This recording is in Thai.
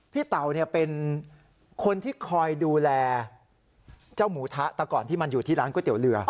เต่าเป็นคนที่คอยดูแลเจ้าหมูทะแต่ก่อนที่มันอยู่ที่ร้านก๋วยเตี๋ยวเรือ